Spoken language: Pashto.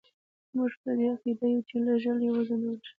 موږ په دې عقیده یو چې لېږل یې وځنډول شي.